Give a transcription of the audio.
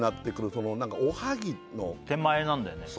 そのなんかおはぎの手前なんだよね